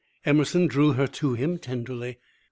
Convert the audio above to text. Emerson drew her to him tenderly.